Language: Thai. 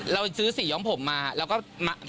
เราจะซื้อสวองผมมาแล้วก็ทำให้มาร์คด้วย